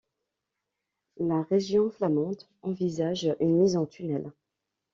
La région flamande envisageant une mise en tunnel.